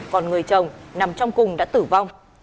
còn người chồng nằm trong cùng đã tử vong